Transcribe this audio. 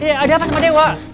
iya ada apa sama dewa